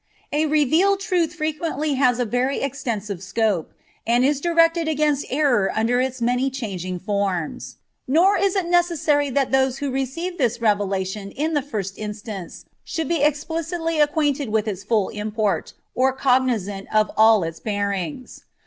A revealed truth frequently has a very extensive scope, and is directed against error under its many changing forms. Nor is it necessary that those who receive this revelation in the first instance should be explicitly acquainted with its full import, or cognizant of all its bearings.